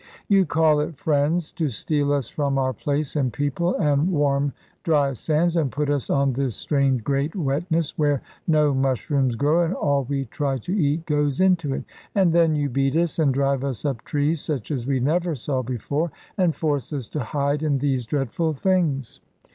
"You call it friends to steal us from our place, and people, and warm dry sands, and put us on this strange great wetness, where no mushrooms grow, and all we try to eat goes into it. And then you beat us, and drive us up trees such as we never saw before, and force us to hide in these dreadful things!"